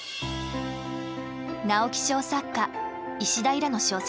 直木賞作家石田衣良の小説